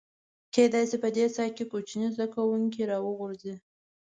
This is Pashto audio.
کېدای شي په دې څاه کې کوچني زده کوونکي راوغورځي.